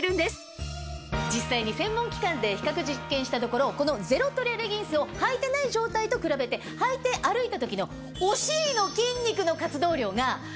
さらにまた実際に専門機関で比較実験したところこのゼロトレ・レギンスを履いてない状態と比べて履いて歩いた時の。